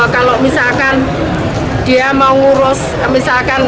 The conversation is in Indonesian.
kalau misalkan dia mau ngurus misalkan